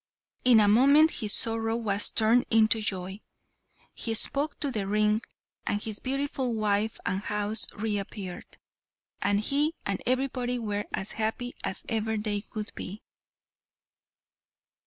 In a moment his sorrow was turned into joy. He spoke to the ring, and his beautiful wife and house reappeared, and he and everybody were as happy as ever they could be.